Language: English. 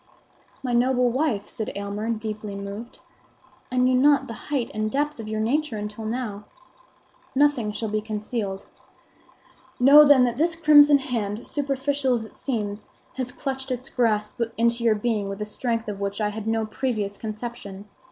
"My noble wife," said Aylmer, deeply moved, "I knew not the height and depth of your nature until now. Nothing shall be concealed. Know, then, that this crimson hand, superficial as it seems, has clutched its grasp into your being with a strength of which I had no previous conception.